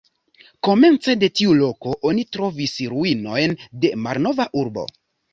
Komence de tiu loko oni trovis ruinojn de malnova urbo.